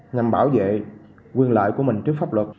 nhằm bảo vệ quyền lợi của mình trước pháp luật